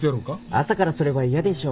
朝からそれは嫌でしょ。